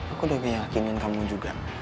aku udah keyakinin kamu juga